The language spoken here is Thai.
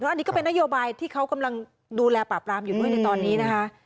อันนี้ก็เป็นนโยบายที่เขากำลังดูแลปราบรามอยู่ด้วยในตอนนี้นะคะ